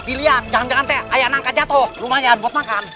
lo lihat jangan jangan teh ayah nangka jatuh lumayan buat makan